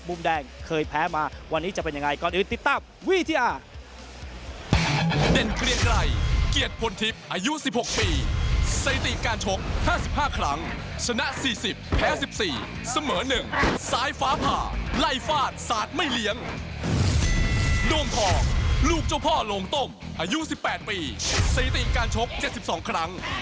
มุมแดงเคยแพ้มาวันนี้จะเป็นยังไงก่อนอื่นติดตามวิทยา